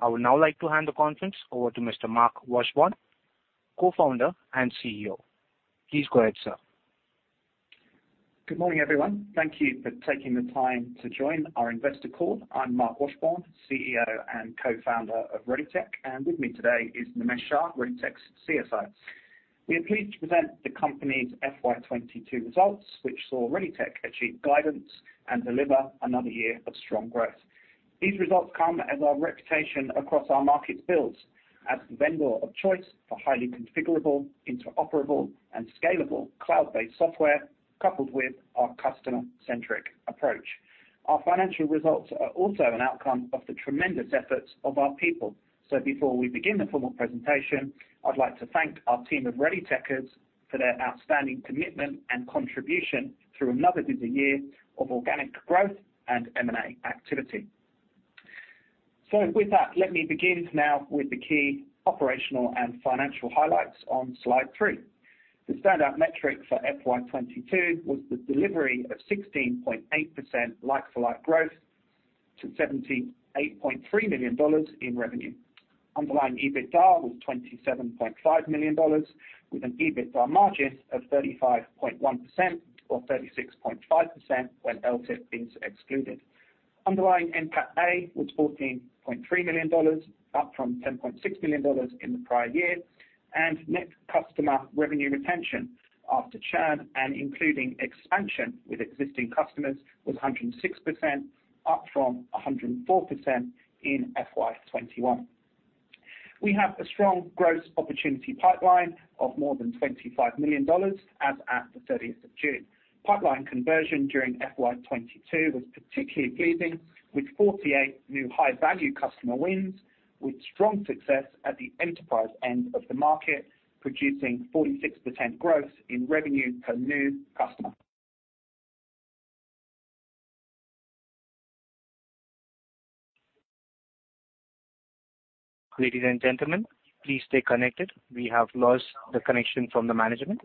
I would now like to hand the conference over to Mr. Marc Washbourne, Co-Founder and CEO. Please go ahead, sir. Good morning, everyone. Thank you for taking the time to join Our Investor Call. I'm Marc Washbourne, CEO and Co-Founder of ReadyTech, and with me today is Nimesh Shah, ReadyTech's CFO. We are pleased to present the company's FY 2022 results, which saw ReadyTech achieve guidance and deliver another year of strong growth. These results come as our reputation across our market builds as the vendor of choice for highly configurable, interoperable, and scalable cloud-based software, coupled with our customer-centric approach. Our financial results are also an outcome of the tremendous efforts of our people. Before we begin the formal presentation, I'd like to thank our team of ReadyTechers for their outstanding commitment and contribution through another busy year of organic growth and M&A activity. With that, let me begin now with the key operational and financial highlights on slide three. The standout metric for FY 2022 was the delivery of 16.8% like-for-like growth to AUD 78.3 million in revenue. Underlying EBITDA was AUD 27.5 million with an EBITDA margin of 35.1% or 36.5% when LTIP is excluded. Underlying NPATA was 14.3 million dollars, up from 10.6 million dollars in the prior year, and net customer revenue retention after churn and including expansion with existing customers was 106%, up from 104% in FY 2021. We have a strong growth opportunity pipeline of more than 25 million dollars as at the 30th of June. Pipeline conversion during FY 2022 was particularly pleasing with 48 new high-value customer wins, with strong success at the enterprise end of the market, producing 46% growth in revenue per new customer. Ladies and gentlemen, please stay connected. We have lost the connection from the management.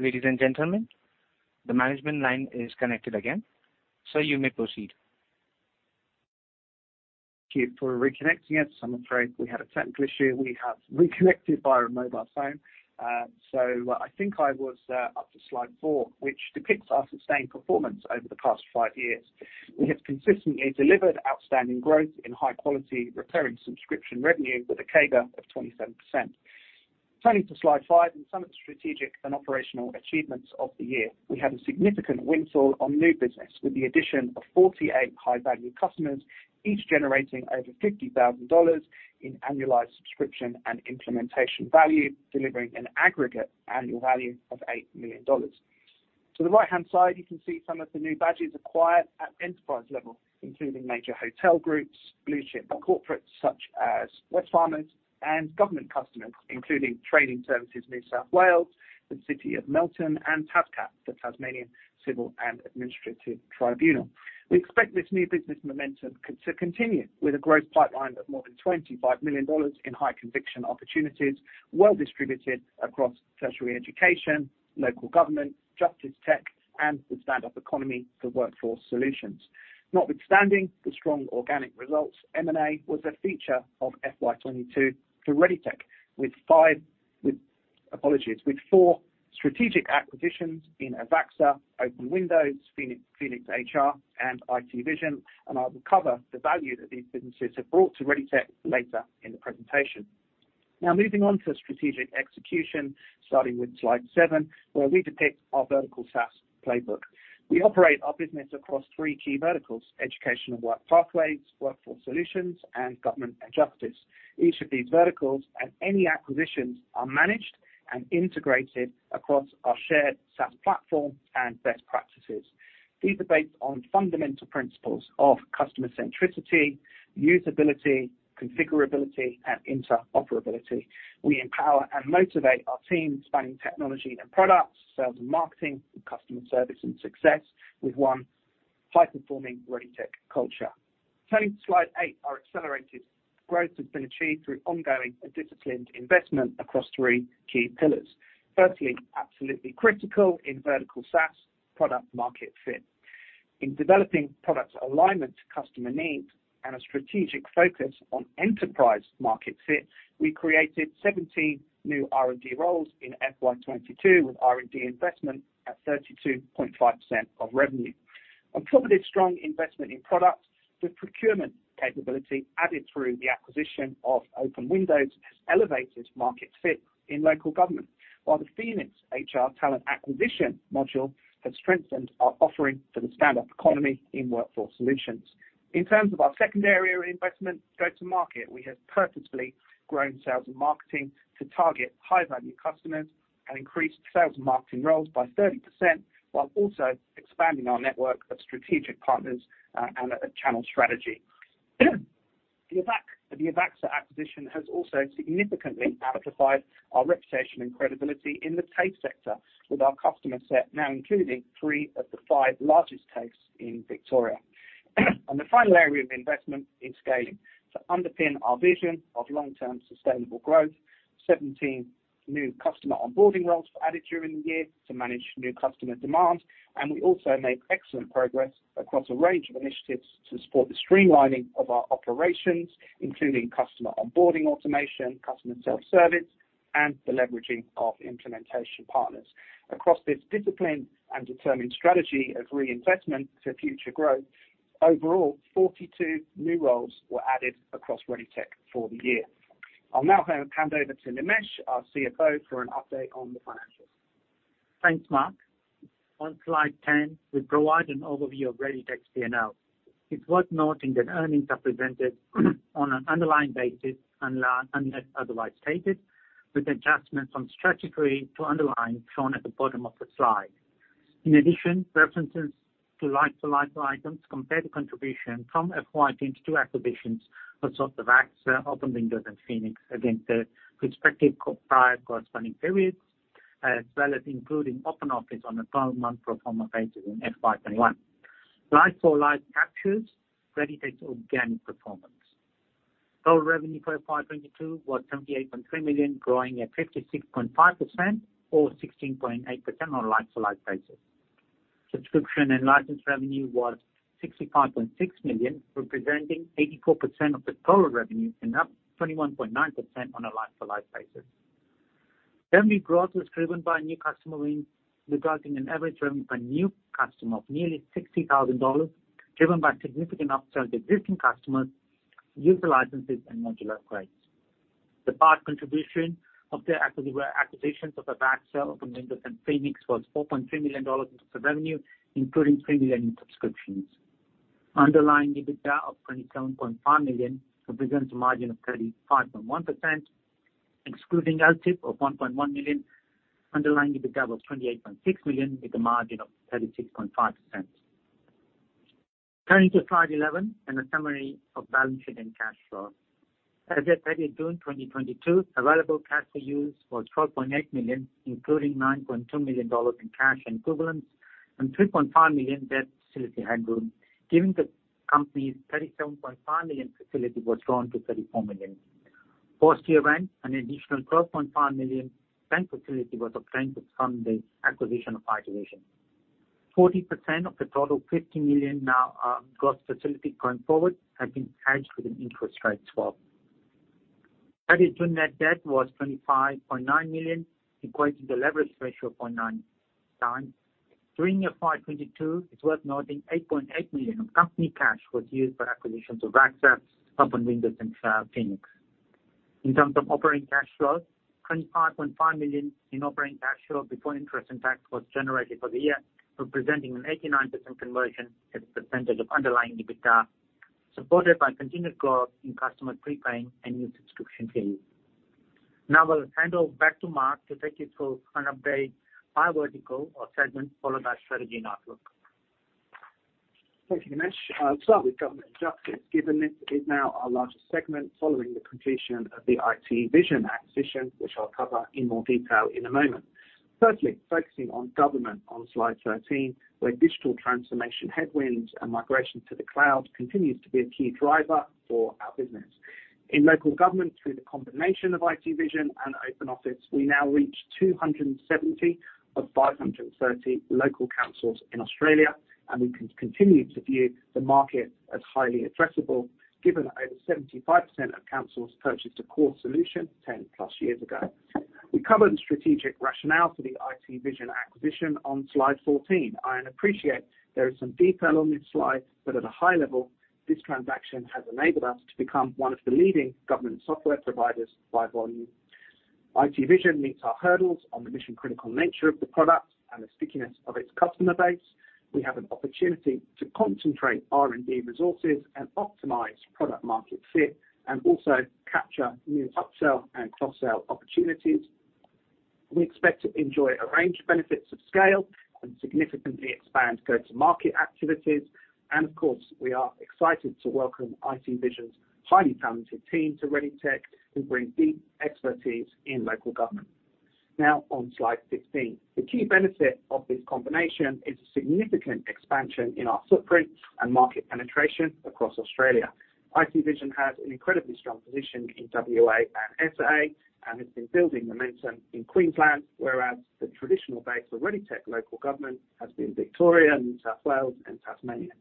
Ladies and gentlemen, the management line is connected again, so you may proceed. Thank you for reconnecting us. I'm afraid we had a technical issue. We have reconnected via a mobile phone. I think I was up to slide four, which depicts our sustained performance over the past five years. We have consistently delivered outstanding growth in high quality recurring subscription revenue with a CAGR of 27%. Turning to slide five and some of the strategic and operational achievements of the year. We had a significant windfall on new business with the addition of 48 high-value customers, each generating over 50,000 dollars in annualized subscription and implementation value, delivering an aggregate annual value of 8 million dollars. To the right-hand side, you can see some of the new badges acquired at enterprise level, including major hotel groups, blue chip corporates such as Wesfarmers and government customers, including Training Services NSW, the City of Melton, and TASCAT, the Tasmanian Civil and Administrative Tribunal. We expect this new business momentum to continue with a growth pipeline of more than 25 million dollars in high conviction opportunities, well distributed across tertiary education, local government, justice tech, and the stand-up economy for Workforce Solutions. Notwithstanding the strong organic results, M&A was a feature of FY 2022 for ReadyTech with four strategic acquisitions in Avaxa, Open Windows, PhoenixHRIS, and IT Vision, and I will cover the value that these businesses have brought to ReadyTech later in the presentation. Now moving on to strategic execution, starting with slide seven, where we depict our vertical SaaS playbook. We operate our business across three key verticals, Educational Work Pathways, Workforce Solutions, and Government and Justice. Each of these verticals and any acquisitions are managed and integrated across our shared SaaS platform and best practices. These are based on fundamental principles of customer centricity, usability, configurability, and interoperability. We empower and motivate our team spanning technology and products, sales and marketing, customer service, and success with one high-performing ReadyTech culture. Turning to slide eight, our accelerated growth has been achieved through ongoing and disciplined investment across three key pillars. Firstly, absolutely critical in vertical SaaS product market fit. In developing product alignment to customer needs and a strategic focus on enterprise market fit, we created 17 new R&D roles in FY 2022, with R&D investment at 32.5% of revenue. A comparatively strong investment in products with procurement capability added through the acquisition of Open Windows elevated market fit in local government. While the PhoenixHRIS talent acquisition module has strengthened our offering for the stand-up economy in Workforce Solutions. In terms of our second area of investment, go to market, we have purposefully grown sales and marketing to target high value customers and increased sales and marketing roles by 30%, while also expanding our network of strategic partners, and a channel strategy. The Avaxa acquisition has also significantly amplified our reputation and credibility in the TAFE sector, with our customer set now including three of the five largest TAFEs in Victoria. The final area of investment in scaling to underpin our vision of long-term sustainable growth, 17 new customer onboarding roles were added during the year to manage new customer demands, and we also made excellent progress across a range of initiatives to support the streamlining of our operations, including customer onboarding, automation, customer self-service, and the leveraging of implementation partners. Across this discipline and determined strategy of reinvestment for future growth, overall 42 new roles were added across ReadyTech for the year. I'll now hand over to Nimesh, our CFO, for an update on the financials. Thanks, Marc. On slide 10, we provide an overview of ReadyTech's P&L. It's worth noting that earnings are presented on an underlying basis unless otherwise stated, with adjustments from statutory to underlying shown at the bottom of the slide. In addition, references to like-for-like items compare the contribution from FY teams to acquisitions of sort of Avaxa, Open Windows and PhoenixHRIS against their respective corresponding prior periods, as well as including Open Office on a 12-month pro forma basis in FY 2021. Like-for-like captures ReadyTech's organic performance. Total revenue for FY 2022 was 78.3 million, growing at 56.5% or 16.8% on a like-for-like basis. Subscription and license revenue was 65.6 million, representing 84% of the total revenue and up 21.9% on a like-for-like basis. Revenue growth was driven by new customer wins, resulting in average revenue per new customer of nearly 60 thousand dollars, driven by significant upsell to existing customers, user licenses and modular upgrades. The post contribution of the acquisitions of Avaxa, Open Windows, and PhoenixHRIS was 4.3 million dollars in terms of revenue, including 3 million in subscriptions. Underlying EBITDA of 27.5 million represents a margin of 35.1%, excluding LTIP of 1.1 million. Underlying EBITDA of 28.6 million with a margin of 36.5%. Turning to slide 11 and a summary of balance sheet and cash flow. As at 30 June 2022, available cash for use was 12.8 million, including 9.2 million dollars in cash equivalents and 3.5 million debt facility headroom. Given the company's 37.5 million facility was drawn to 34 million. Post year-end, an additional 12.5 million bank facility was obtained to fund the acquisition of IT Vision. 40% of the total 50 million now gross facility going forward has been hedged with an interest rate swap. As at June, net debt was 25.9 million, equating to leverage ratio of 0.9x. During the FY 2022, it's worth noting 8.8 million of company cash was used for acquisitions of Avaxa, Open Windows, and PhoenixHRIS. In terms of operating cash flow, 25.5 million in operating cash flow before interest and tax was generated for the year, representing an 89% conversion as a % of underlying EBITDA, supported by continued growth in customer prepaying and new subscription fees. Now I will hand off back to Marc to take you through an update by vertical or segment, followed by strategy and outlook. Thank you, Nimesh. I'll start with Government and Justice, given this is now our largest segment following the completion of the IT Vision acquisition, which I'll cover in more detail in a moment. Firstly, focusing on government on slide 13, where digital transformation headwinds and migration to the cloud continues to be a key driver for our business. In local government, through the combination of IT Vision and Open Office, we now reach 270 of 530 local councils in Australia, and we continue to view the market as highly addressable, given over 75% of councils purchased a core solution 10+ years ago. We covered the strategic rationale for the IT Vision acquisition on slide 14. I appreciate there is some detail on this slide, but at a high level, this transaction has enabled us to become one of the leading government software providers by volume. IT Vision meets our hurdles on the mission-critical nature of the product and the stickiness of its customer base. We have an opportunity to concentrate R&D resources and optimize product market fit and also capture new upsell and cross-sell opportunities. We expect to enjoy a range of benefits of scale and significantly expand go-to-market activities. Of course, we are excited to welcome IT Vision's highly talented team to ReadyTech, who bring deep expertise in local government. Now on slide 15. The key benefit of this combination is a significant expansion in our footprint and market penetration across Australia. IT Vision has an incredibly strong position in W.A. and S.A., and it's been building momentum in Queensland, whereas the traditional base of ReadyTech local government has been Victoria, New South Wales and Tasmania.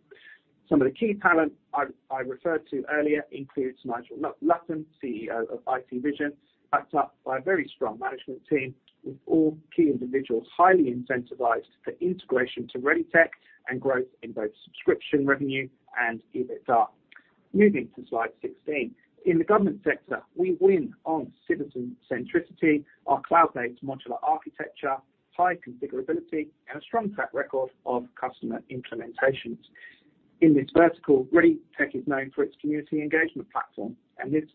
Some of the key talent I referred to earlier includes Nigel Lutton, CEO of IT Vision, backed up by a very strong management team, with all key individuals highly incentivized for integration to ReadyTech and growth in both subscription revenue and EBITDA. Moving to slide 16. In the government sector, we win on citizen centricity, our cloud-based modular architecture, high configurability, and a strong track record of customer implementations. In this vertical, ReadyTech is known for its community engagement platform, and this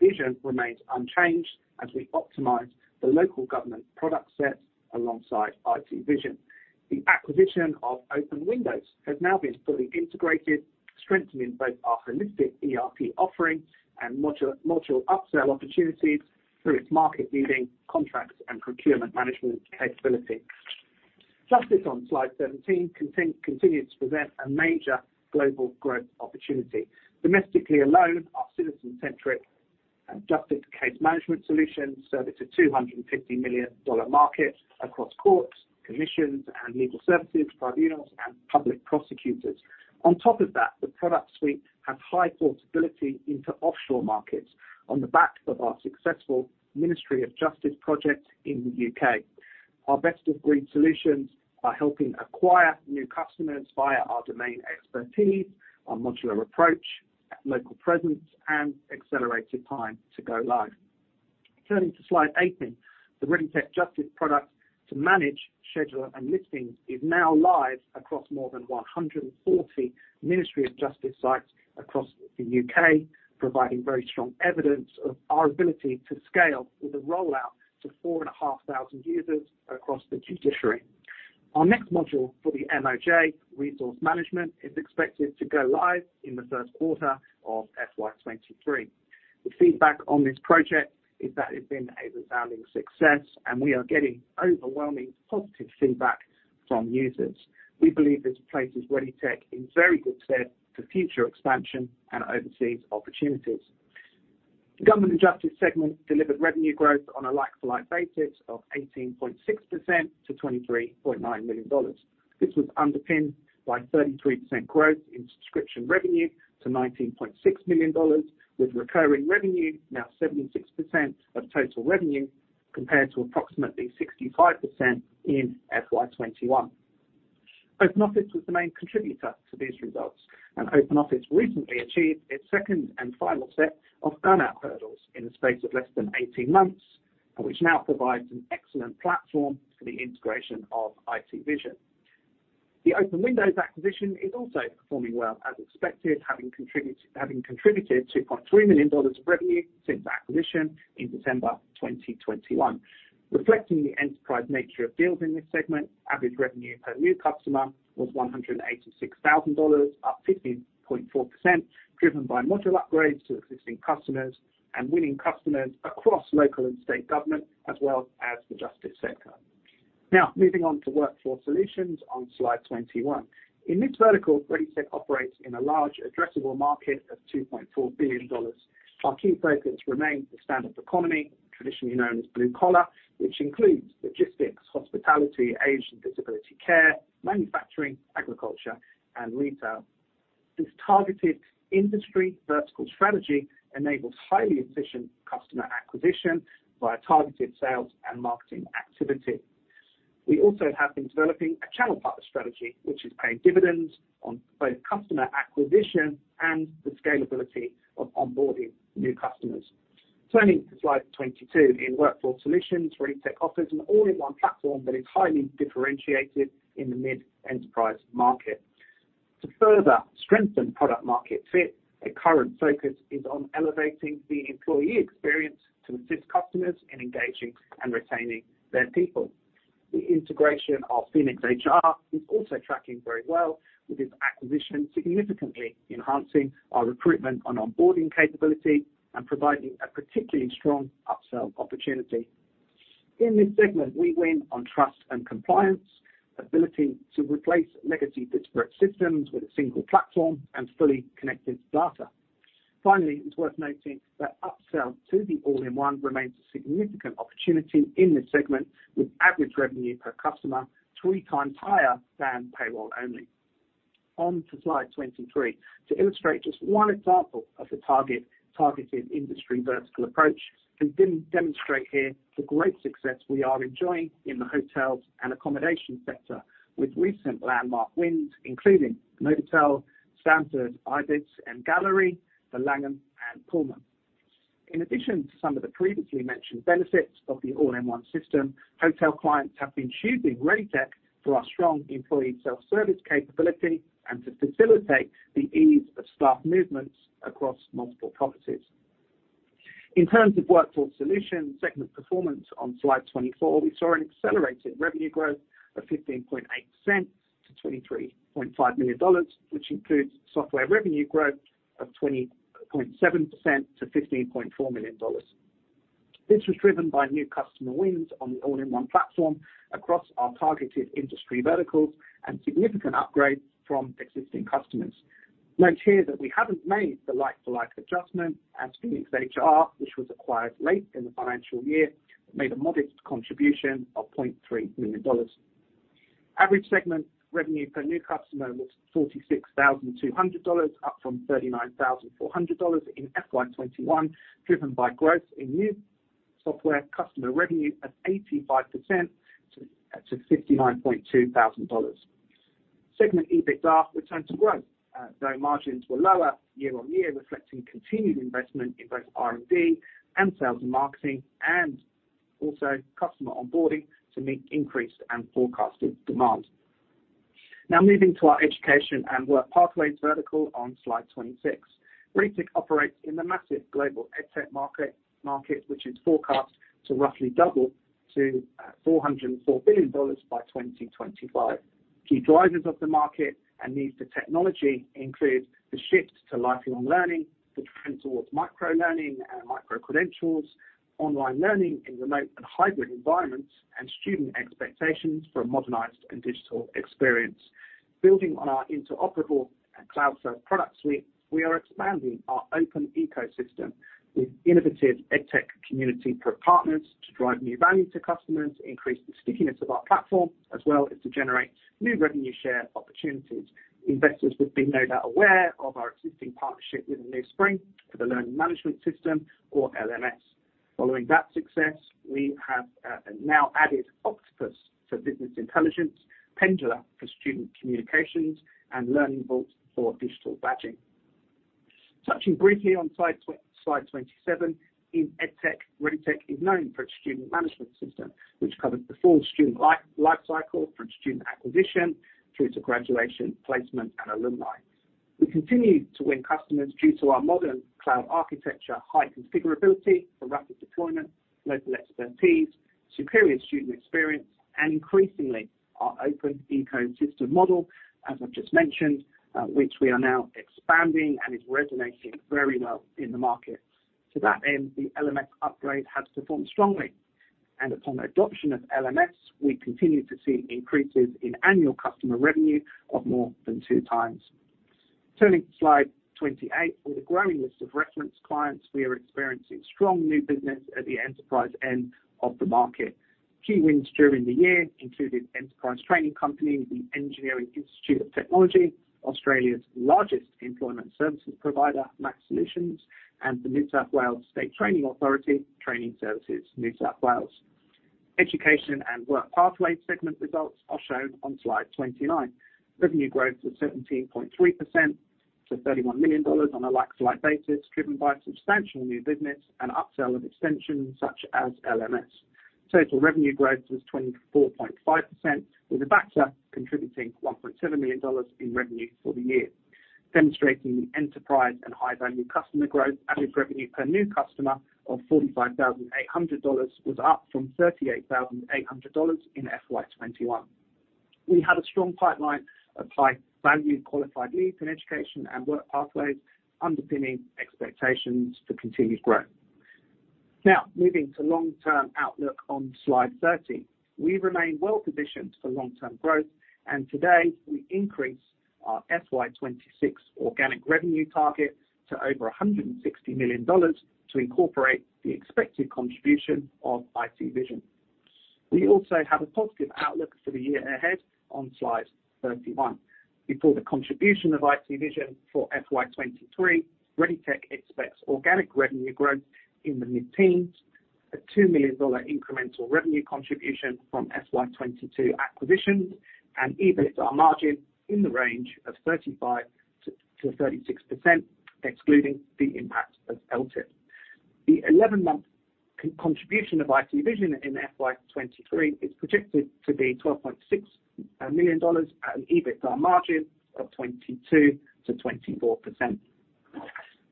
vision remains unchanged as we optimize the local government product set alongside IT Vision. The acquisition of Open Windows has now been fully integrated, strengthening both our holistic ERP offering and module upsell opportunities through its market-leading contracts and procurement management capability. Justice on slide 17 continues to present a major global growth opportunity. Domestically alone, our citizen-centric Justice Case Management solution services a 250 million dollar market across courts, commissions and legal services, tribunals and public prosecutors. On top of that, the product suite has high portability into offshore markets on the back of our successful Ministry of Justice project in the U.K.. Our best-of-breed solutions are helping acquire new customers via our domain expertise, our modular approach, local presence, and accelerated time to go live. Turning to slide 18. The ReadyTech Justice product to manage scheduler and listings is now live across more than 140 Ministry of Justice sites across the U.K., providing very strong evidence of our ability to scale with a rollout to 4,500 users across the judiciary. Our next module for the MoJ, resource management, is expected to go live in the first quarter of FY 2023. The feedback on this project is that it's been a resounding success, and we are getting overwhelmingly positive feedback from users. We believe this places ReadyTech in very good stead for future expansion and overseas opportunities. The Government and Justice segment delivered revenue growth on a like-for-like basis of 18.6% to 23.9 million dollars. This was underpinned by 33% growth in subscription revenue to 19.6 million dollars, with recurring revenue now 76% of total revenue compared to approximately 65% in FY 2021. Open Office was the main contributor to these results, and Open Office recently achieved its second and final set of earn-out hurdles in the space of less than 18 months, which now provides an excellent platform for the integration of IT Vision. The Open Windows acquisition is also performing well as expected, having contributed 2.3 million dollars of revenue since acquisition in December 2021. Reflecting the enterprise nature of deals in this segment, average revenue per new customer was 186,000 dollars, up 15.4%, driven by module upgrades to existing customers and winning customers across local and state government as well as the Justice sector. Now, moving on to Workforce Solutions on slide 21. In this vertical, ReadyTech operates in a large addressable market of 2.4 billion dollars. Our key focus remains the stand-up economy, traditionally known as blue collar, which includes logistics, hospitality, aged and disability care, manufacturing, agriculture, and retail. This targeted industry vertical strategy enables highly efficient customer acquisition via targeted sales and marketing activity. We also have been developing a channel partner strategy, which is paying dividends on both customer acquisition and the scalability of onboarding new customers. Turning to slide 22. In Workforce Solutions, ReadyTech offers an all-in-one platform that is highly differentiated in the mid-enterprise market. To further strengthen product market fit, their current focus is on elevating the employee experience to assist customers in engaging and retaining their people. The integration of PhoenixHRIS is also tracking very well, with its acquisition significantly enhancing our recruitment and onboarding capability and providing a particularly strong upsell opportunity. In this segment, we win on trust and compliance, ability to replace legacy disparate systems with a single platform and fully connected data. Finally, it's worth noting that upsell to the all-in-one remains a significant opportunity in this segment with average revenue per customer three times higher than payroll only. On to slide 23. To illustrate just one example of the targeted industry vertical approach, we demonstrate here the great success we are enjoying in the hotels and accommodation sector with recent landmark wins, including Novotel, Stamford, Ibis, MGallery, The Langham and Pullman. In addition to some of the previously mentioned benefits of the all-in-one system, hotel clients have been choosing ReadyTech for our strong employee self-service capability and to facilitate the ease of staff movements across multiple properties. In terms of Workforce Solutions segment performance on slide 24, we saw an accelerated revenue growth of 15.8% to 23.5 million dollars, which includes software revenue growth of 20.7% to 15.4 million dollars. This was driven by new customer wins on the all-in-one platform across our targeted industry verticals and significant upgrades from existing customers. Note here that we haven't made the like-for-like adjustment as PhoenixHRIS, which was acquired late in the financial year, made a modest contribution of 0.3 million dollars. Average segment revenue per new customer was 46,200 dollars, up from 39,400 dollars in FY 2021, driven by growth in new software customer revenue of 85% to 59,200 dollars. Segment EBITDA returned to growth, though margins were lower year-on-year, reflecting continued investment in both R&D and sales and marketing, and also customer onboarding to meet increased and forecasted demand. Now moving to our Education and Work Pathways vertical on slide 26. ReadyTech operates in the massive global EdTech market, which is forecast to roughly double to 404 billion dollars by 2025. Key drivers of the market and needs for technology include the shift to lifelong learning, the trend towards micro-learning and micro-credentials, online learning in remote and hybrid environments, and student expectations for a modernized and digital experience. Building on our interoperable and cloud-based product suite, we are expanding our open ecosystem with innovative EdTech community partners to drive new value to customers, increase the stickiness of our platform, as well as to generate new revenue share opportunities. Investors would be no doubt aware of our existing partnership with aNewSpring for the Learning Management System or LMS. Following that success, we have now added Octopus BI for business intelligence, Pendula for student communications, and Learning Vault for digital badging. Touching briefly on slide 27, in EdTech, ReadyTech is known for its Student Management System, which covers the full student life cycle from student acquisition through to graduation, placement, and alumni. We continue to win customers due to our modern cloud architecture, high configurability for rapid deployment, local expertise, superior student experience, and increasingly our open ecosystem model, as I've just mentioned, which we are now expanding and is resonating very well in the market. To that end, the LMS upgrade has performed strongly, and upon adoption of LMS, we continue to see increases in annual customer revenue of more than two times. Turning to slide 28, with a growing list of reference clients, we are experiencing strong new business at the enterprise end of the market. Key wins during the year included enterprise training company, the Engineering Institute of Technology, Australia's largest employment services provider, MAX Solutions, and the New South Wales State Training Authority, Training Services New South Wales. Education and Work Pathways segment results are shown on slide 29. Revenue growth of 17.3% to 31 million dollars on a like-for-like basis, driven by substantial new business and upsell of extensions such as LMS. Total revenue growth was 24.5%, with Avaxa contributing 1.7 million dollars in revenue for the year. Demonstrating the enterprise and high-value customer growth, average revenue per new customer of 45,800 dollars was up from 38,800 dollars in FY 2021. We have a strong pipeline of high-value qualified leads in Education and Work Pathways underpinning expectations for continued growth. Now, moving to long-term outlook on slide 30. We remain well positioned for long-term growth, and today we increase our FY 2026 organic revenue target to over 160 million dollars to incorporate the expected contribution of IT Vision. We also have a positive outlook for the year ahead on slide 31. Before the contribution of IT Vision for FY 2023, ReadyTech expects organic revenue growth in the mid-teens, an 2 million dollar incremental revenue contribution from FY 2022 acquisitions, and EBITDA margin in the range of 35%-36%, excluding the impact of LTIP. The eleven-month contribution of IT Vision in FY 2023 is projected to be 12.6 million dollars at an EBITDA margin of 22%-24%.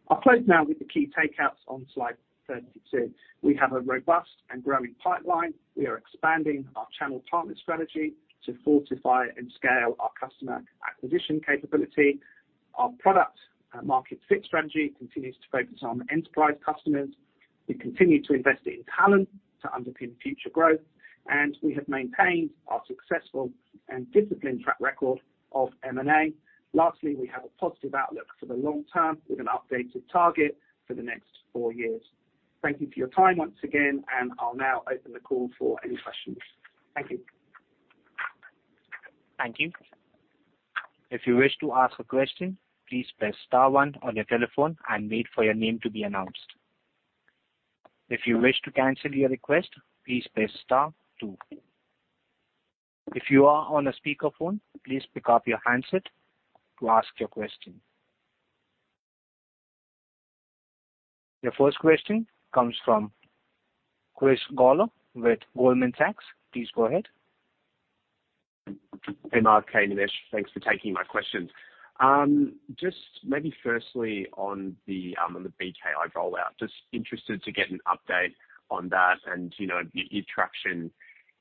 I'll close now with the key takeouts on slide 32. We have a robust and growing pipeline. We are expanding our channel partner strategy to fortify and scale our customer acquisition capability. Our product and market fit strategy continues to focus on enterprise customers. We continue to invest in talent to underpin future growth, and we have maintained our successful and disciplined track record of M&A. Lastly, we have a positive outlook for the long term with an updated target for the next four years. Thank you for your time once again, and I'll now open the call for any questions. Thank you. Thank you. If you wish to ask a question, please press star one on your telephone and wait for your name to be announced. If you wish to cancel your request, please press star two. If you are on a speakerphone, please pick up your handset to ask your question. Your first question comes from Chris Goller with Goldman Sachs. Please go ahead. Hey, Marc. Hey, Nimesh. Thanks for taking my questions. Just maybe firstly on the BKI rollout, just interested to get an update on that and, you know, your traction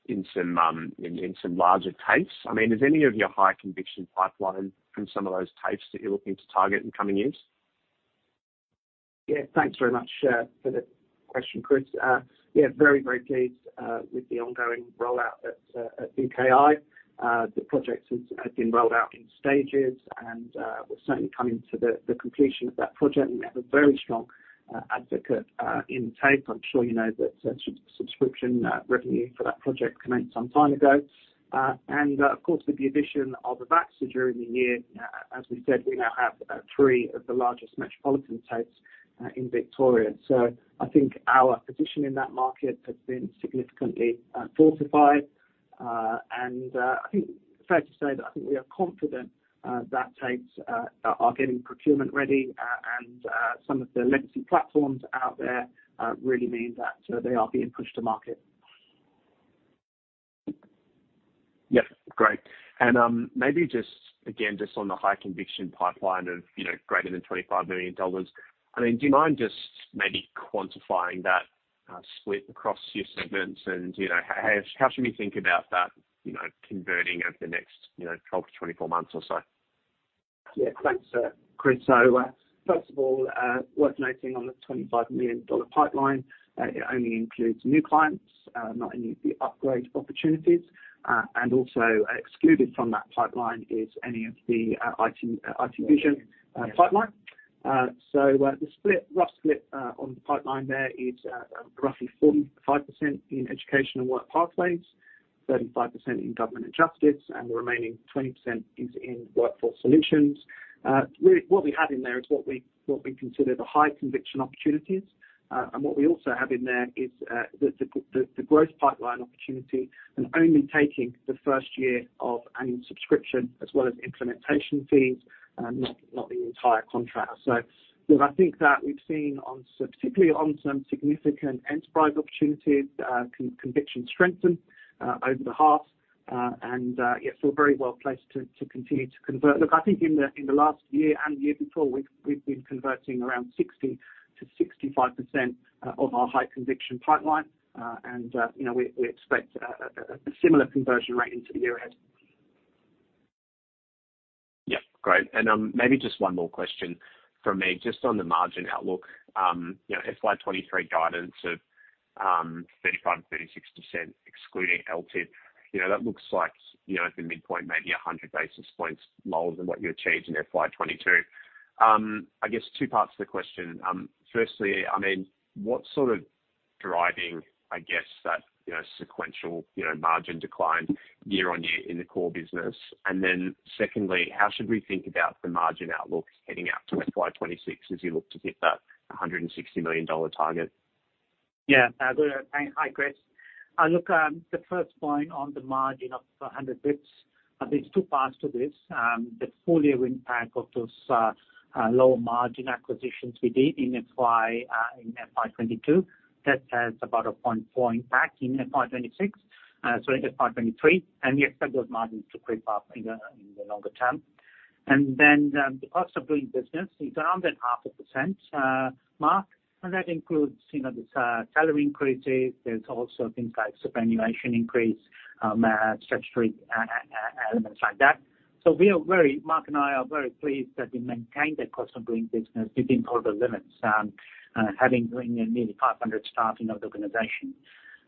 in some larger TAFEs. I mean, is any of your high conviction pipeline in some of those TAFEs that you're looking to target in coming years? Yeah. Thanks very much for the question, Chris. Yeah, very, very pleased with the ongoing rollout at BKI. The project has been rolled out in stages, and we're certainly coming to the completion of that project. We have a very strong advocate in TAFE. I'm sure you know that subscription revenue for that project commenced some time ago. Of course, with the addition of Avaxa during the year, as we said, we now have three of the largest metropolitan TAFEs in Victoria. I think our position in that market has been significantly fortified. I think it's fair to say that we are confident that TAFEs are getting procurement ready, and some of the legacy platforms out there really mean that they are being pushed to market. Maybe just again, just on the high conviction pipeline of, you know, greater than 25 million dollars, I mean, do you mind just maybe quantifying that, split across your segments? You know, how should we think about that, you know, converting over the next, you know, 12-24 months or so? Yeah. Thanks, Chris. First of all, worth noting on the 25 million dollar pipeline, it only includes new clients, not any of the upgrade opportunities. Also excluded from that pipeline is any of the IT Vision pipeline. The split, rough split, on the pipeline there is roughly 45% in Education and Work Pathways, 35% in Government and Justice, and the remaining 20% is in Workforce Solutions. Really what we have in there is what we consider the high conviction opportunities. What we also have in there is the growth pipeline opportunity and only taking the first year of annual subscription as well as implementation fees, not the entire contract. Look, I think that we've seen on some, particularly on some significant enterprise opportunities, conviction strengthen over the half. Yes, we're very well placed to continue to convert. Look, I think in the last year and the year before, we've been converting around 60%-65% of our high conviction pipeline. You know, we expect a similar conversion rate into the year ahead. Yeah. Great. Maybe just one more question from me just on the margin outlook. You know, FY 2023 guidance of 35%-36% excluding LTIP, you know, that looks like, you know, at the midpoint, maybe 100 basis points lower than what you achieved in FY 2022. I guess two parts to the question. Firstly, I mean, what's sort of driving, I guess that, you know, sequential, you know, margin decline year on year in the core business? And then secondly, how should we think about the margin outlook heading out to FY 2026 as you look to hit that 160 million dollar target? Good day. Hi, Chris. Look, the first point on the margin of 100 basis points, there's two parts to this. The full year impact of those lower margin acquisitions we did in FY22. That has about a 0.4% impact in FY23, and we expect those margins to creep up in the longer term. The cost of doing business is around that 0.5%, Marc, and that includes, you know, the salary increases. There's also things like superannuation increase, statutory elements like that. We are very pleased. Marc and I are very pleased that we maintained that cost of doing business within quarter limits, having grown nearly 500 staff in the organization.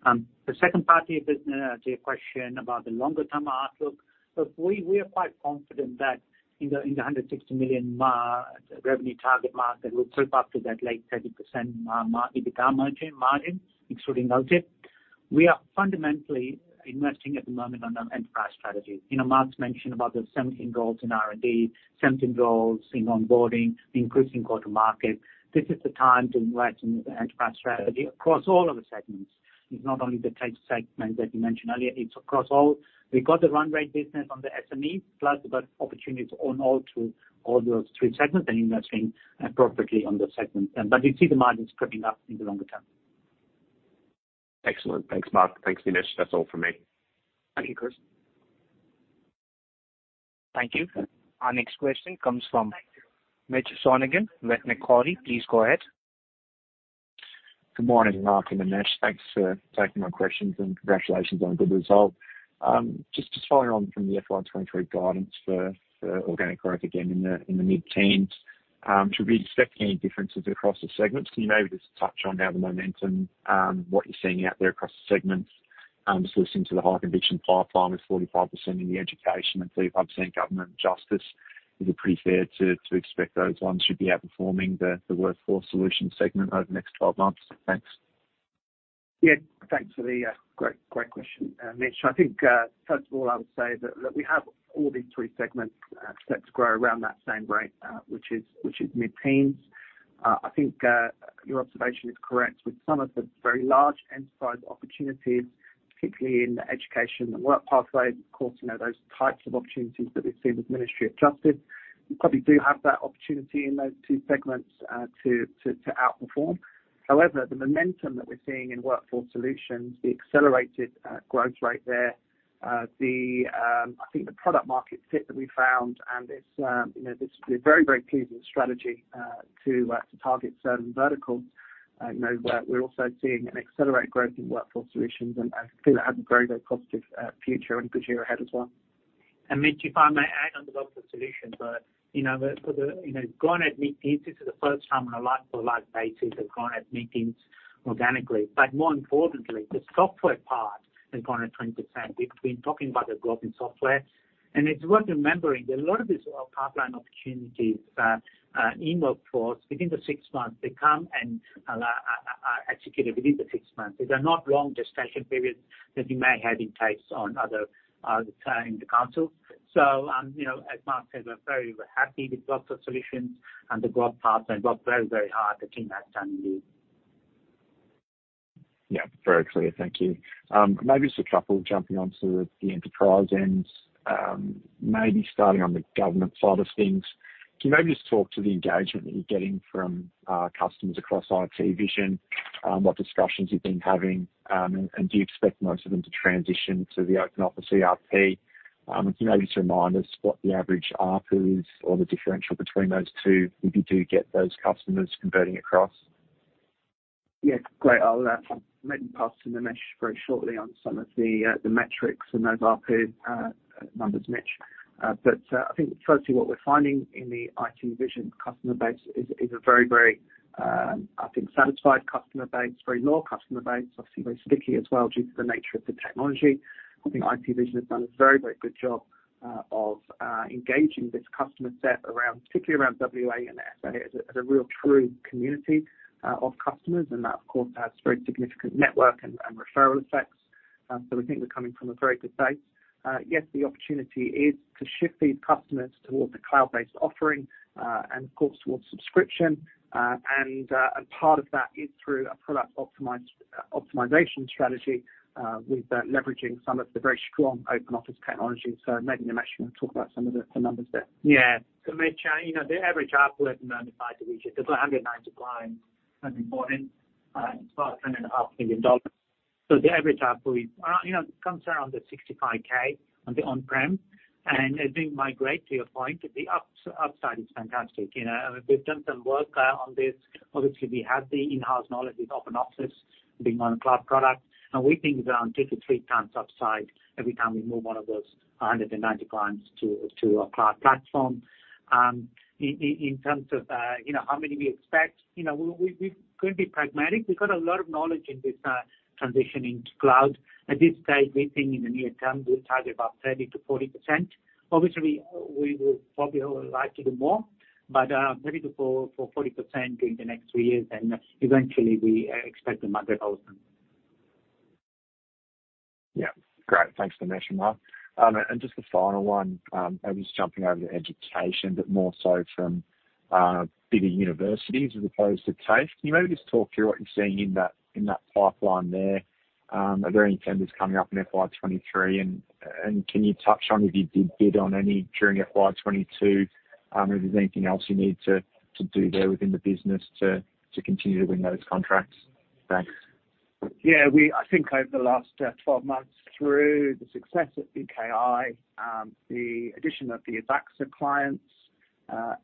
To your question about the longer term outlook, look, we are quite confident that in the 160 million revenue target mark, that will creep up to that late 30% EBITDA margin excluding LTIP. We are fundamentally investing at the moment on our enterprise strategy. You know, Marc's mentioned about those 17 goals in R&D, 17 goals in onboarding, increasing go-to-market. This is the time to invest in the enterprise strategy across all of the segments. It's not only the TAFE segment that you mentioned earlier, it's across all. We've got the run rate business on the SMEs, plus we've got opportunities on all too, all those three segments and investing appropriately on the segments. We see the margins creeping up in the longer term. Excellent. Thanks, Marc. Thanks, Nimesh. That's all from me. Thank you, Chris. Thank you. Our next question comes from Mitchell Sonogan, Macquarie. Please go ahead. Good morning, Marc and Nimesh. Thanks for taking my questions, and congratulations on a good result. Just following on from the FY 2023 guidance for organic growth again in the mid-teens, should we expect any differences across the segments? Can you maybe just touch on how the momentum, what you're seeing out there across the segments? Just listening to the high conviction pipeline is 45% in the Education and 35 Government Justice. Is it pretty fair to expect those ones should be outperforming the Workforce Solutions segment over the next 12 months? Thanks. Yeah. Thanks for the great question, Mitch. I think first of all, I would say that, look, we have all these three segments set to grow around that same rate, which is mid-teens. I think your observation is correct. With some of the very large enterprise opportunities, particularly in the Education and Work Pathway, of course, you know those types of opportunities that we've seen with the Ministry of Justice, we probably do have that opportunity in those two segments to outperform. However, the momentum that we're seeing in Workforce Solutions, the accelerated growth rate there, the I think the product market fit that we found and this, you know, this very, very pleasing strategy to target certain verticals, you know, we're also seeing an accelerated growth in Workforce Solutions, and I think that has a very, very positive future and good year ahead as well. Mitch, if I may add on the Workforce Solutions. You know, for the, you know, growing at mid-teens, this is the first time in our life on a like basis of growing at mid-teens organically. More importantly, the software part is growing at 20%. We've been talking about the growth in software. It's worth remembering that a lot of these pipeline opportunities in Workforce within the six months, they come and are executed within the six months. These are not long gestation periods that you may have in TAFE or in other in the council. You know, as Marc said, we're very happy with Workforce Solutions and the growth path, and worked very, very hard. The team has done indeed. Yeah, very clear. Thank you. Maybe just a couple jumping on to the enterprise end. Maybe starting on the government side of things. Can you maybe just talk to the engagement that you're getting from customers across IT Vision? What discussions you've been having, and do you expect most of them to transition to the Open Office ERP? Can you maybe just remind us what the average ARPU is or the differential between those two if you do get those customers converting across? Yes. Great. I'll maybe pass to Nimesh very shortly on some of the metrics and those ARPU numbers, Mitch. I think firstly, what we're finding in the IT Vision customer base is a very I think satisfied customer base, very loyal customer base. Obviously very sticky as well due to the nature of the technology. I think IT Vision has done a very good job of engaging this customer set around, particularly around W.A. and S.A. as a real true community of customers. That of course has very significant network and referral effects. We think we're coming from a very good base. Yes, the opportunity is to shift these customers towards a cloud-based offering and of course towards subscription. Part of that is through a product optimization strategy with leveraging some of the very strong Open Office technology. Maybe Nimesh, you want to talk about some of the numbers there. Yeah. Mitch, you know, the average ARPU at 95 to reach it. There's 190 clients that are important, it's about 10.5 million dollars. The average ARPU, you know, comes around the 65,000 on the on-prem. As we migrate to your point, the upside is fantastic. You know, we've done some work on this. Obviously we have the in-house knowledge with Open Office being on a cloud product, and we think around two to three times upside every time we move one of those 190 clients to a cloud platform. In terms of, you know, how many we expect, you know, we going to be pragmatic. We've got a lot of knowledge in this, transitioning to cloud. At this stage, we think in the near term we'll target about 30%-40%. Obviously, we will probably like to do more, but maybe for 40% in the next three years. Eventually we expect 100,000. Great. Thanks, Nimesh and Marc. Just a final one, maybe just jumping over to education, but more so from bigger universities as opposed to TAFE. Can you maybe just talk through what you're seeing in that pipeline there? Are there any tenders coming up in FY 2023? And can you touch on if you did bid on any during FY 2022? If there's anything else you need to do there within the business to continue to win those contracts? Thanks. Yeah. I think over the last 12 months through the success at BKI, the addition of the Avaxa clients,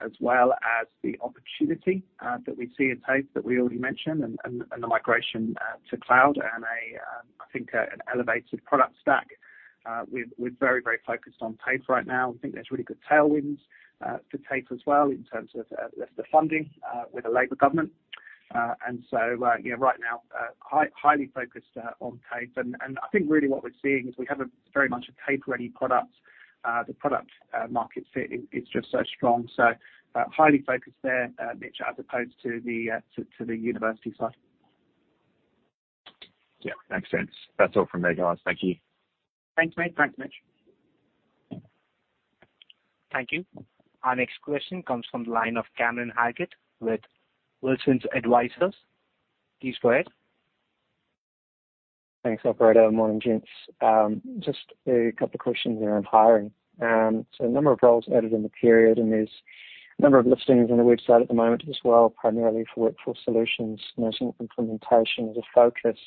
as well as the opportunity that we see at TAFE that we already mentioned and the migration to cloud and I think an elevated product stack, we're very focused on TAFE right now. I think there's really good tailwinds for TAFE as well in terms of the funding with the Labor Government. You know, right now, highly focused on TAFE. I think really what we're seeing is we have a very much a TAFE-ready product. The product market fit is just so strong. Highly focused there, Mitch, as opposed to the university side. Yeah, makes sense. That's all from me, guys. Thank you. Thanks, mate. Thanks, Mitch. Thank you. Our next question comes from the line of Cameron Halkett with Wilsons Advisory. Please go ahead. Thanks, operator. Morning, gents. Just a couple of questions around hiring. A number of roles added in the period and there's a number of listings on the website at the moment as well, primarily for Workforce Solutions. I see implementation as a focus.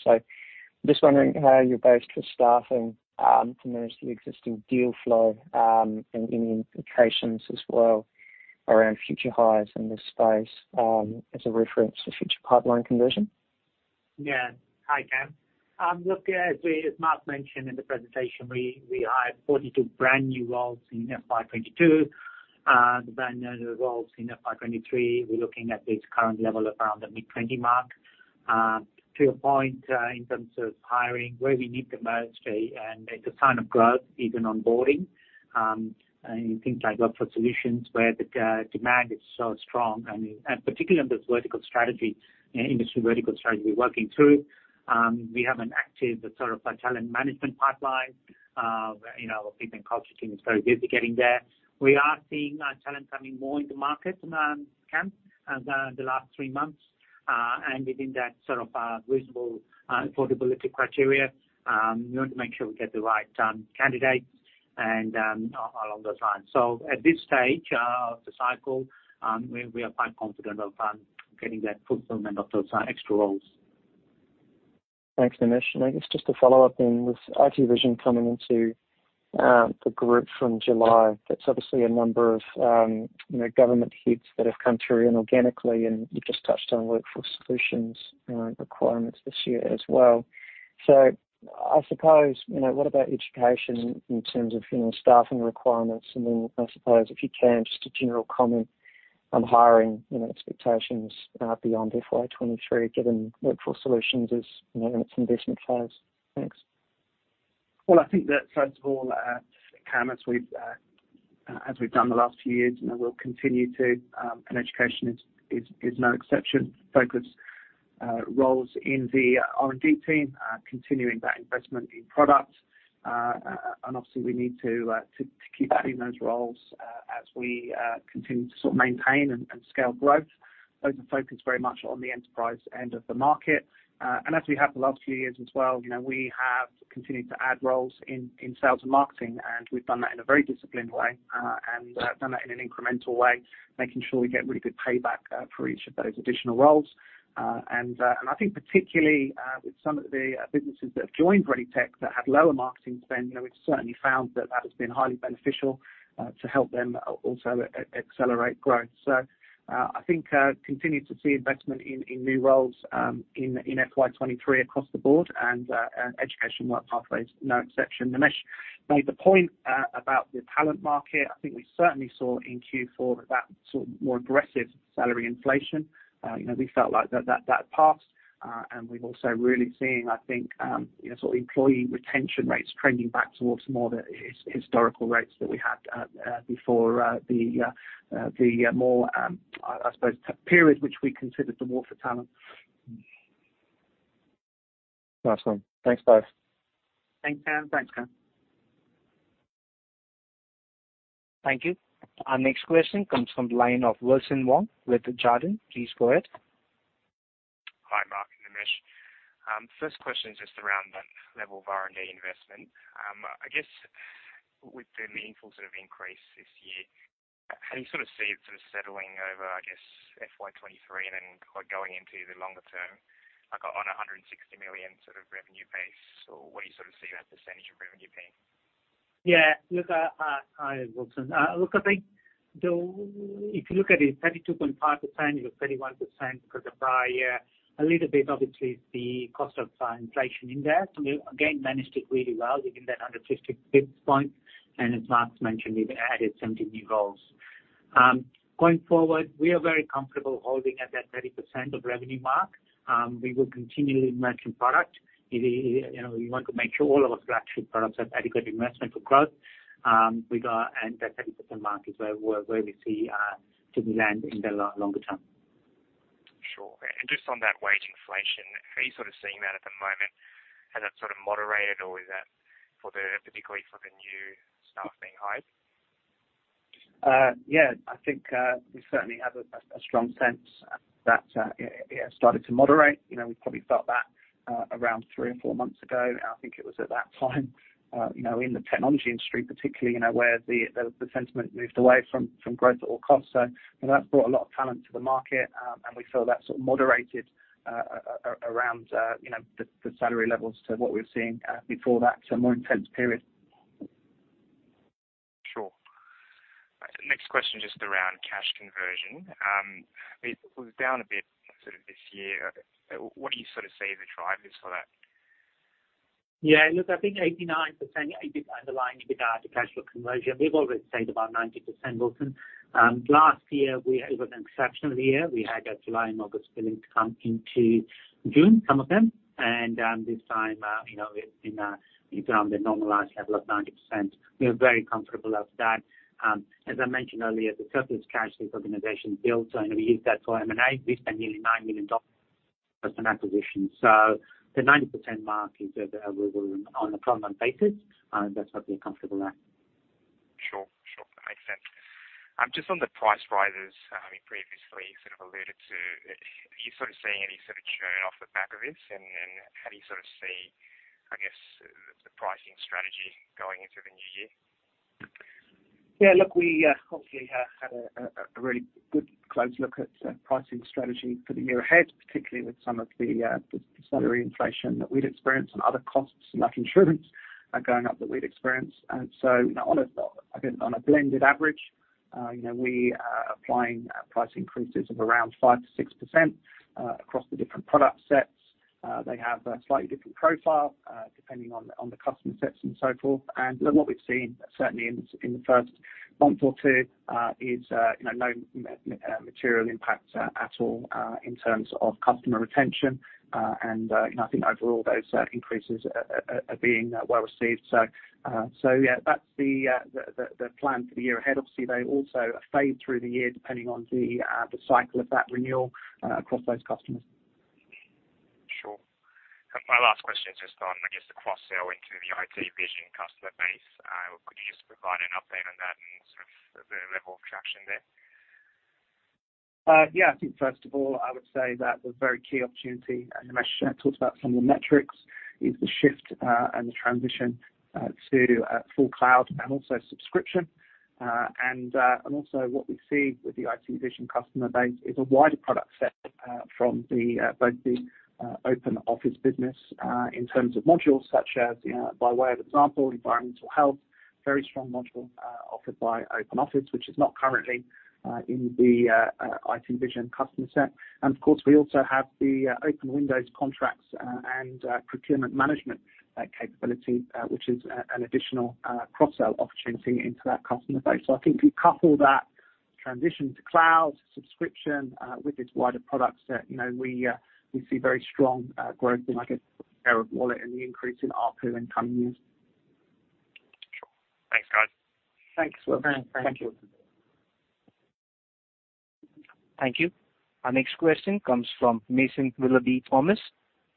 Just wondering how you're based with staffing to manage the existing deal flow and any implications as well around future hires in this space as a reference to future pipeline conversion. Yeah. Hi, Cam. Look, as Marc mentioned in the presentation, we hired 42 brand new roles in FY 2022. The brand new roles in FY 2023, we're looking at this current level of around the mid-20 mark. To your point, in terms of hiring, where we need the most, and it's a sign of growth even onboarding, and things like Workforce Solutions where the demand is so strong and particularly in this vertical strategy, industry vertical strategy we're working through. We have an active sort of a talent management pipeline. You know, our people and culture team is very busy getting there. We are seeing talent coming more into market, Cam, the last three months. Within that sort of reasonable affordability criteria, we want to make sure we get the right candidate. Along those lines. At this stage of the cycle, we are quite confident of getting that fulfillment of those extra roles. Thanks, Nimesh. I guess just to follow up then, with IT Vision coming into the group from July, that's obviously a number of you know, government wins that have come through inorganically, and you've just touched on Workforce Solutions requirements this year as well. I suppose you know, what about education in terms of you know, staffing requirements? I suppose, if you can, just a general comment on hiring you know, expectations beyond FY 2023, given Workforce Solutions is you know, in its investment phase. Thanks. Well, I think that first of all, Cam, as we've done the last few years, you know, we'll continue to, and education is no exception, focus on roles in the R&D team, continuing that investment in product. Obviously we need to keep adding those roles as we continue to sort of maintain and scale growth. Those are focused very much on the enterprise end of the market. As we have the last few years as well, you know, we have continued to add roles in sales and marketing, and we've done that in a very disciplined way, and done that in an incremental way, making sure we get really good payback for each of those additional roles. I think particularly with some of the businesses that have joined ReadyTech that have lower marketing spend, you know, we've certainly found that has been highly beneficial to help them also accelerate growth. I think continue to see investment in new roles in FY 2023 across the board and Education Work Pathways, no exception. Nimesh made the point about the talent market. I think we certainly saw in Q4 that sort of more aggressive salary inflation. You know, we felt like that had passed. We've also really seen, I think, you know, sort of employee retention rates trending back towards more the historical rates that we had before the more I suppose period which we considered the war for talent. Awesome. Thanks, guys. Thanks, Cam. Thank you. Our next question comes from the line of Wilson Wong with Jarden. Please go ahead. Hi, Marc and Nimesh. First question is just around the level of R&D investment. I guess with the meaningful sort of increase this year, how do you sort of see it sort of settling over, I guess, FY 2023 and then, like, going into the longer term, like on a 160 million sort of revenue base? Or where do you sort of see that % of revenue being? Hi, Wilson. If you look at it, 32.5% or 31% for the prior year, a little bit obviously is the cost of inflation in there. We again managed it really well within that 150 basis points. As Marc's mentioned, we've added 70 new roles. Going forward, we are very comfortable holding at that 30% of revenue mark. We will continually invest in product. You know, we want to make sure all of our flagship products have adequate investment for growth. That 30% mark is where we see to land in the longer term. Sure. Just on that wage inflation, how are you sort of seeing that at the moment? Has that sort of moderated, or is that particularly for the new staff being hired? Yeah. I think we certainly have a strong sense that it has started to moderate. You know, we probably felt that around three or four months ago. I think it was at that time, you know, in the technology industry particularly, you know, where the sentiment moved away from growth at all costs. You know, that's brought a lot of talent to the market. We feel that sort of moderated around you know, the salary levels to what we were seeing before that, so a more intense period. Sure. Next question just around cash conversion. It was down a bit sort of this year. What do you sort of see the drivers for that? Yeah. Look, I think 89% underlying EBITDA to cash flow conversion, we've always said about 90%, Wilson. Last year it was an exceptional year. We had our July and August billing come into June, some of them. This time, you know, it's been down to the normalized level of 90%. We are very comfortable at that. As I mentioned earlier, the surplus cash this organization built, so you know, we used that for M&A. We spent nearly 9 million dollars on acquisitions. The 90% mark is, we on a pro forma basis, that's what we're comfortable at. Sure. That makes sense. Just on the price rises, I mean previously you sort of alluded to, are you sort of seeing any sort of churn off the back of this? And how do you sort of see, I guess, the pricing strategy going into the new year? Yeah. Look, we obviously have had a really good close look at pricing strategy for the year ahead, particularly with some of the salary inflation that we'd experienced and other costs, like insurance, going up that we'd experienced. You know, again, on a blended average, you know, we are applying price increases of around 5%-6% across the different product sets. They have a slightly different profile depending on the customer sets and so forth. Look what we've seen certainly in the first month or two is you know no material impact at all in terms of customer retention. You know, I think overall those increases are being well received. Yeah, that's the plan for the year ahead. Obviously, they also fade through the year depending on the cycle of that renewal across those customers. Sure. My last question is just on, I guess, the cross-sell into the IT Vision customer base. Could you just provide an update on that and sort of the level of traction there? Yeah, I think first of all, I would say that the very key opportunity, and Nimesh talked about some of the metrics, is the shift and the transition to full cloud and also subscription. Also what we see with the IT Vision customer base is a wider product set from both the Open Office business in terms of modules such as, you know, by way of example, environmental health, very strong module offered by Open Office, which is not currently in the IT Vision customer set. Of course, we also have the Open Windows contracts and procurement management capability, which is an additional cross-sell opportunity into that customer base. I think if you couple that transition to cloud subscription with this wider product set, you know, we see very strong growth in, I guess, share of wallet and the increase in ARPU in coming years. Sure. Thanks, guys. Thanks. Thank you. Thank you. Thank you. Our next question comes from Mason Willoughby-Thomas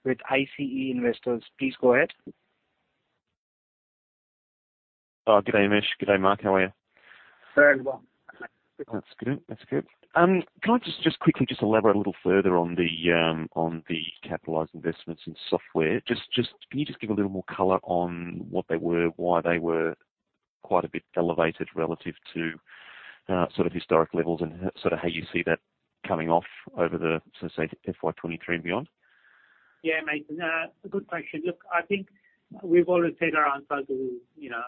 with ICE Investors. Please go ahead. Oh, good day, Nimesh. Good day, Marc. How are you? Very well. That's good. Can I just quickly elaborate a little further on the capitalized investments in software? Just can you give a little more color on what they were, why they were quite a bit elevated relative to sort of historic levels and sort of how you see that coming off over the sort of, say, FY 2023 and beyond? Yeah, Mason, a good question. Look, I think we've always said our answer to, you know,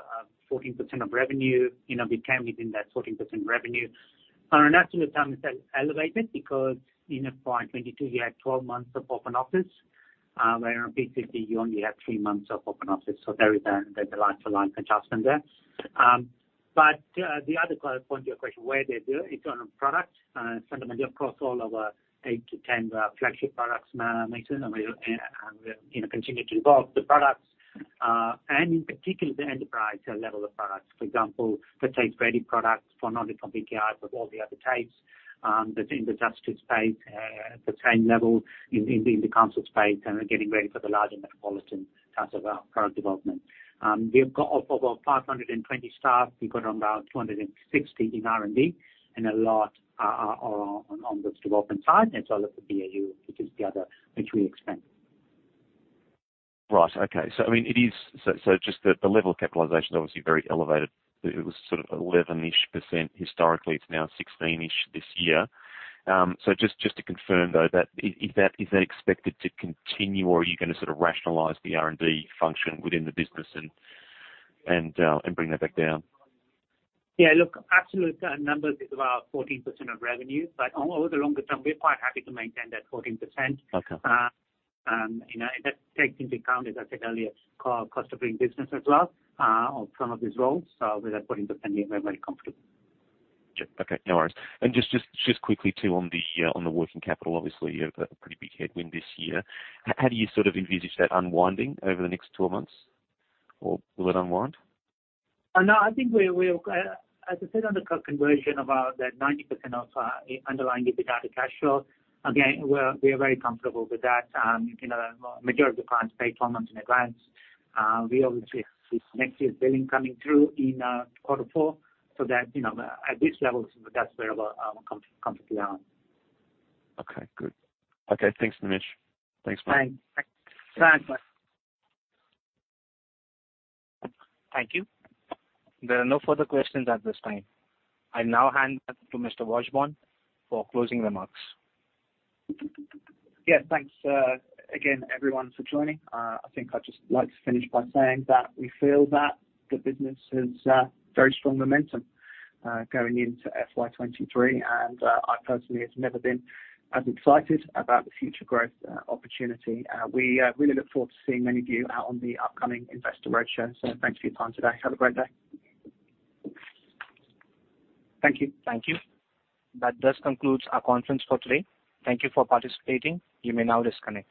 14% of revenue, you know, became within that 14% revenue. Our absolute term is elevated because in FY22, you had 12 months of Open Office, where in FY23 you only have three months of Open Office. There is a like-to-like adjustment there. The other kind of point to your question, where they do it on a product, fundamentally across all our eight to 10 flagship products, Mason, and we're continue to evolve the products, and in particular the enterprise level of products. For example, the TAFEs take ReadyTech products not only from BI, but all the other TAFEs that's in the justice space, the same level in the council space, and we're getting ready for the larger metropolitan types of product development. We've got, of our 520 staff, we've got around 260 in R&D and a lot are on the development side. Look at BAU, which is the other we expand. Right. Okay. I mean it is just the level of capitalization is obviously very elevated. It was sort of 11-ish% historically. It's now 16-ish% this year. Just to confirm though, is that expected to continue or are you gonna sort of rationalize the R&D function within the business and bring that back down? Yeah, look, absolute numbers is about 14% of revenue, but over the longer term we're quite happy to maintain that 14%. Okay. You know, that takes into account, as I said earlier, cost of doing business as well, on some of these roles. With that 14%, we're very comfortable. Sure. Okay, no worries. Just quickly too on the working capital, obviously you have a pretty big headwind this year. How do you sort of envisage that unwinding over the next 12 months? Or will it unwind? No, I think as I said on the conference call about that 90% of underlying EBITDA cash flow, again, we're very comfortable with that. You know, majority of the clients pay 12 months in advance. We obviously see next year's billing coming through in quarter four so that, you know, at this level, that's where our comfort level is. Okay, good. Okay, thanks, Nimesh. Thanks, Marc. Thanks. Thanks, Mason. Thank you. There are no further questions at this time. I now hand back to Mr. Washburn for closing remarks. Yeah. Thanks again everyone for joining. I think I'd just like to finish by saying that we feel that the business has very strong momentum going into FY 2023, and I personally have never been as excited about the future growth opportunity. We really look forward to seeing many of you out on the upcoming investor roadshow. Thanks for your time today. Have a great day. Thank you. Thank you. That does conclude our conference for today. Thank you for participating. You may now disconnect.